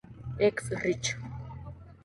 Ex Rich.